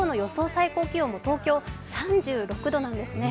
最高気温も、東京３６度なんですね。